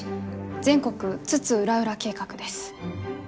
全国津々浦々計画」です。